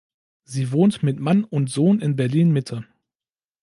Sie wohnt mit Mann und Sohn in Berlin Mitte.